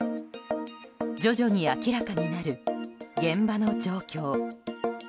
徐々に明らかになる現場の状況。